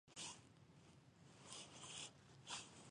Ìyábọ̀ Òjó sọ pé oun kò sí nílé nígbà ìṣẹ̀lẹ̀ yìí